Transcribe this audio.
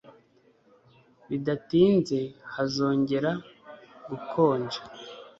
Bidatinze hazongera gukonja